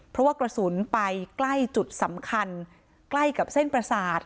เพราะว่ากระสุนไปใกล้จุดสำคัญใกล้กับเส้นประสาท